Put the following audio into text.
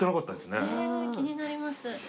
ねぇ気になります。